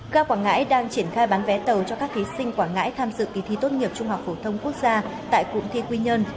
ga quảng ngãi đang triển khai bán vé tàu cho các thí sinh quảng ngãi tham dự kỳ thi tốt nghiệp trung học phổ thông quốc gia tại cụm thi quy nhơn